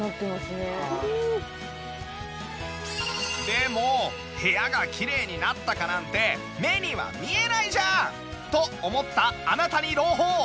「でも部屋がきれいになったかなんて目には見えないじゃん！」と思ったあなたに朗報